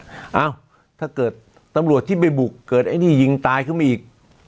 เอ้าถ้าเกิดตำรวจที่ไปบุกเกิดไอ้นี่ยิงตายขึ้นมาอีก